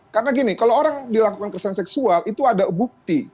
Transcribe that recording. karena gini kalau orang dilakukan kekerasan seksual itu ada bukti